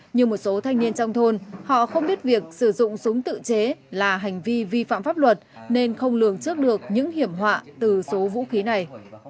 như một số thanh niên trong thôn họ không biết việc sử dụng súng tự chế là hành vi vi phạm pháp luật nên không lường trước được những hiểm họa từ số vũ khí này